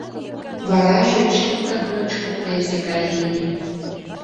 Вараже чылтак ночко презе гай лие.